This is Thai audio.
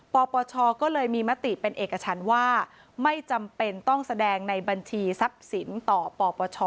ปปชก็เลยมีมติเป็นเอกชันว่าไม่จำเป็นต้องแสดงในบัญชีทรัพย์สินต่อปปช